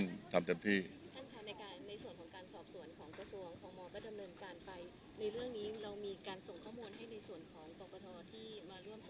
ในเรื่องนี้เรามีการส่งข้อมูลให้ในส่วนของปรากฏทอที่มาร่วมสอบส่วน